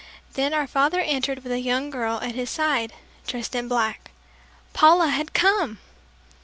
Then our father entered with a young girl at his side dressed in black. Paula had come!